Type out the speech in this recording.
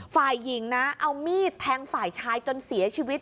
ฝ่ายหญิงนะเอามีดแทงฝ่ายชายจนเสียชีวิต